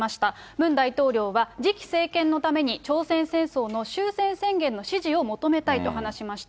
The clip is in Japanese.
ムン大統領は、次期政権のために朝鮮戦争の終戦宣言の支持を求めたいと話しました。